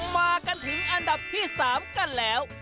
มากันถึงอันดับที่๓กันแล้ว